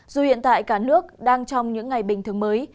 dù hiện tại cả nước đang trong những ngày bình thường mới